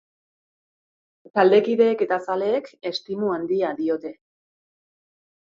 Taldekideek eta zaleek estimu handia diote.